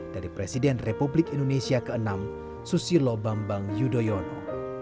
dari presiden republik indonesia ke enam susilo bambang yudhoyono